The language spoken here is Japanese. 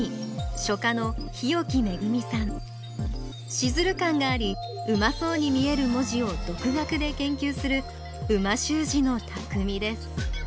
シズル感がありうまそうに見える文字を独学で研究する美味しゅう字のたくみです